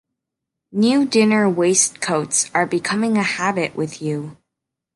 New dinner waistcoats are becoming a habit with you.